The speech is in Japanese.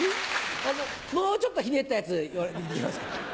あのもうちょっとひねったやつできますか？